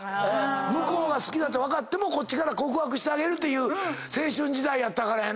向こうが好きだって分かってもこっちから告白してあげるという青春時代やったからやな。